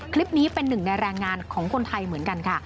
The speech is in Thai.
คลิปนี้เป็นหนึ่งในแรงงานของคนไทยเหมือนกันค่ะ